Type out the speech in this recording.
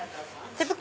手袋。